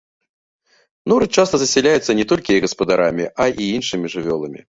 Норы часта засяляюцца не толькі іх гаспадарамі, а і іншымі жывёламі.